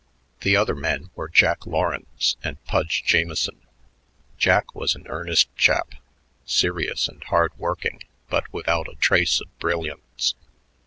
The other men were Jack Lawrence and Pudge Jamieson. Jack was an earnest chap, serious and hard working but without a trace of brilliance.